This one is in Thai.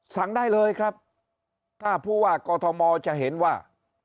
สั่งได้เลยครับถ้าผู้ว่ากอทมจะเห็นว่า